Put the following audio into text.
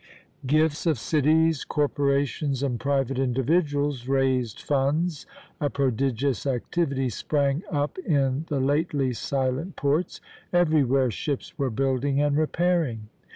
Gifts of cities, corporations, and private individuals raised funds. A prodigious activity sprang up in the lately silent ports; everywhere ships were building and repairing."